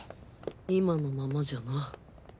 今のままじゃな。